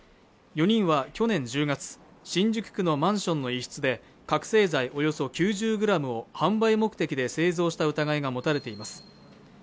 ４人は去年１０月新宿区のマンションの一室で覚せい剤およそ９０ｇを販売目的で製造した疑いが持たれています